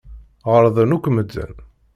Ɣellḍen akk medden.